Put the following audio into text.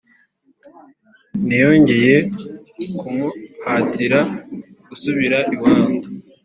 ntiyongeye kumuhatira gusubira iwabo